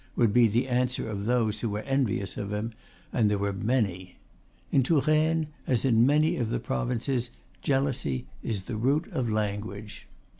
would be the answer of those who were envious of him and they were many. In Touraine, as in many of the provinces, jealousy is the root of language.